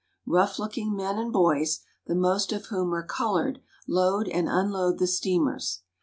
Rough looking men and boys, the most of whom are colored, load and unload the steamers.